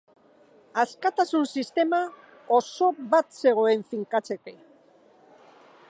Askatasun-sistema oso bat zegoen finkatzeke.